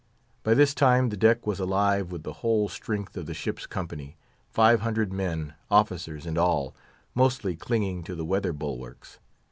By this time the deck was alive with the whole strength of the ship's company, five hundred men, officers and all, mostly clinging to the weather bulwarks.